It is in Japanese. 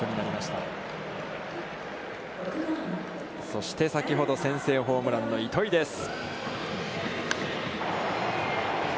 そして先ほど先制ホームランの糸井です。